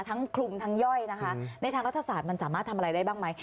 คลุมทั้งย่อยนะคะในทางรัฐศาสตร์มันสามารถทำอะไรได้บ้างไหม